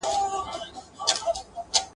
په الاهو راغلی خوبه خو چي نه تېرېدای ..